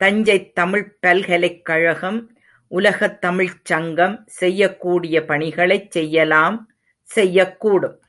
தஞ்சைத் தமிழ்ப் பல்கலைக்கழகம், உலகத் தமிழ்ச்சங்கம் செய்யக்கூடிய பணிகளைச் செய்யலாம் செய்யக்கூடும்.